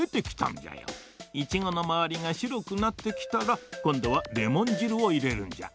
イチゴのまわりがしろくなってきたらこんどはレモンじるをいれるんじゃ。